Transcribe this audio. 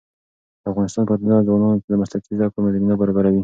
د افغانستان پوهنتونونه ځوانانو ته د مسلکي زده کړو زمینه برابروي.